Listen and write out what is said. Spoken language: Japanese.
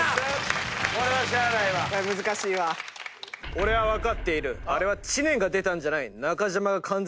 俺は分かっている。